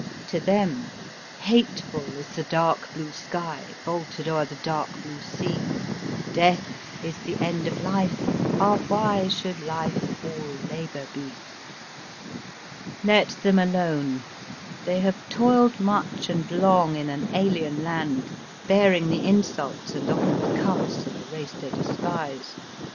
To them, Hateful is tlie dark bine sky, Vaulted o'er tlie dark blue sea ; Death is the end of life. Ah, why Should life all labour be ? Digitized by VjOOQIC THE HEATHEN CHINEE. 181 Let them alone. They have toiled much and long in an alien land, bearing the insults and often the cuflfs of a race they despise.